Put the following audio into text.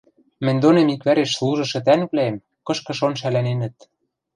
Мӹнь донем иквӓреш служышы тӓнгвлӓэм кышкы-шон шӓлӓненӹт.